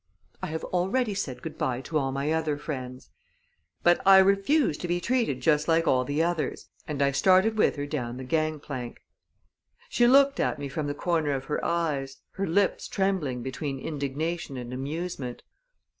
"I have already said good by to all my other friends!" "But I refuse to be treated just like all the others," and I started with her down the gang plank. She looked at me from the corner of her eyes, her lips trembling between indignation and amusement.